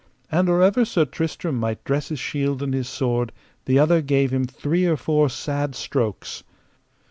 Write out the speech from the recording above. And or ever Sir Tristram might dress his shield and his sword the other gave him three or four sad strokes.